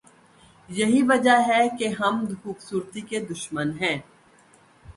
یہی وجہ ہے کہ ہم خوبصورتی کے دشمن ہیں۔